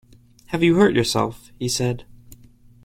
Have you hurt yourself?’ he said.